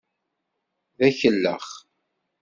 D akellex!